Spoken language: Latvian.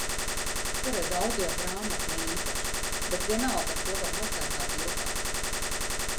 Šoreiz audio grāmata ne īpaši. Bet vienalga ar to var nostaigāt ilgāk.